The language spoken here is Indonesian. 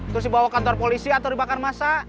terus dibawa ke kantor polisi atau di bakar masa